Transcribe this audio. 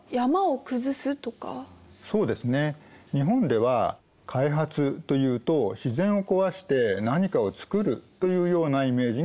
日本では開発というと自然を壊して何かを作るというようなイメージが強いんです。